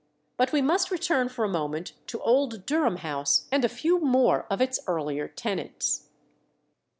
But we must return for a moment to old Durham House and a few more of its earlier tenants.